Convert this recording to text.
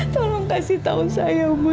tolong kasih tahu saya